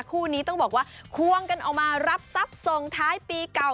คู่นี้ต้องบอกว่าควงกันออกมารับทรัพย์ส่งท้ายปีเก่า